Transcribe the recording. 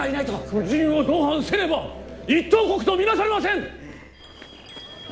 夫人を同伴せねば一等国と見なされません！